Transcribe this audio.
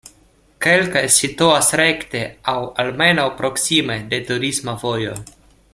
Kelkaj situas rekte aŭ almenaŭ proksime de turisma vojo.